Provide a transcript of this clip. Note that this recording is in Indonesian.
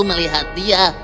dan rahalumb hp